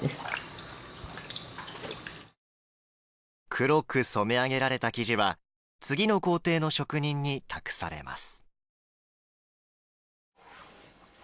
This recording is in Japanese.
黒く染め上げられた生地は次の工程の職人に託されます。